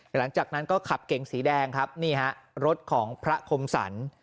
หลังจากนั้นก็ขับเก่งสีแดงครับนี่ฮะรถของพระคมสรร